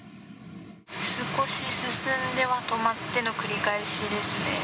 少し進んでは止まっての繰り返しですね。